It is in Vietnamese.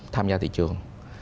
tham gia thị trường